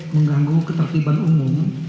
menganggu ketertiban umum